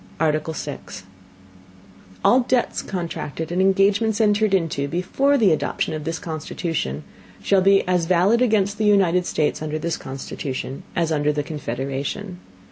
ARTICLE SIX All Debts contracted and Engagements entered into, before the Adoption of this Constitution, shall be as valid against the United States under this Constitution, as under the Confederation.